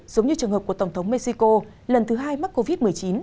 giống như trường hợp của tổng thống mexico lần thứ hai mắc covid một mươi chín